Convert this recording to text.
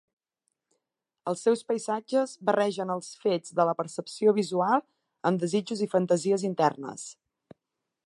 Els seus paisatges barregen els fets de la percepció visual amb desitjos i fantasies internes.